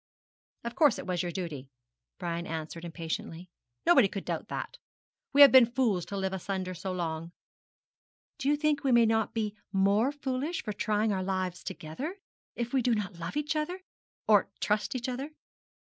'Of course it was your duty,' Brian answered impatiently. 'Nobody could doubt that. We have been fools to live asunder so long.' 'Do you think we may not be more foolish for trying our lives together if we do not love each other or trust each other.'